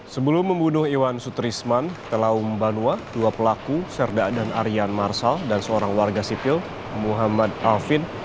sebelum membunuh iwan sutrisman telahum banua dua pelaku serda adan aryan marshal dan seorang warga sipil muhammad alfin